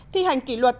thi hành kỷ luật